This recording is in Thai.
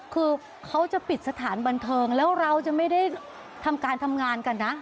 คือเขาจะปิดสถานบันเทิงแล้วเราจะไม่ได้ทำการทำงานกันนะ